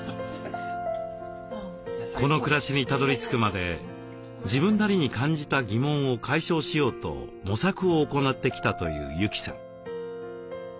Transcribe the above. この暮らしにたどりつくまで自分なりに感じた疑問を解消しようと模索を行ってきたという由季さん。